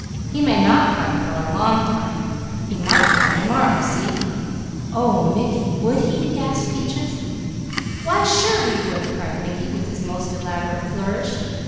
He may not come for a long time; he might come to morrow. See?" "Oh Mickey! Would he?" gasped Peaches. "Why sure he would!" cried Mickey with his most elaborate flourish.